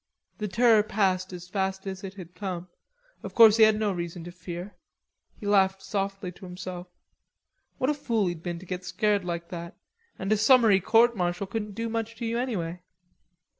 The terror passed as fast as it had come. Of course he had no reason to fear. He laughed softly to himself. What a fool he'd been to get scared like that, and a summary court martial couldn't do much to you anyway.